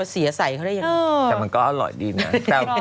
เสียใส่เขาได้ยังไงเออแต่มันก็อร่อยดีน่ะอร่อย